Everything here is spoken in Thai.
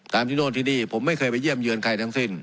ที่โน่นที่นี่ผมไม่เคยไปเยี่ยมเยือนใครทั้งสิ้น